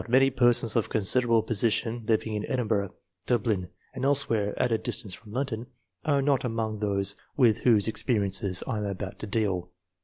many persons of considerable position living in Edinburgh, Dub lin, and elsewhere at a distance from London, are not among those with whose experiences I am aljout to deal.